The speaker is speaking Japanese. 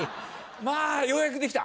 まぁようやくできた？